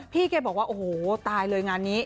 แกบอกว่าโอ้โหตายเลยงานนี้